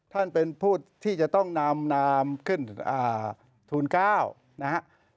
ท่านเป็นผู้ที่จะต้องนำนามขึ้นทูล๙นะครับ